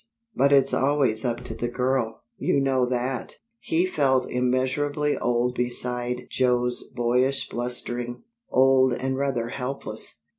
But it's always up to the girl. You know that." He felt immeasurably old beside Joe's boyish blustering old and rather helpless.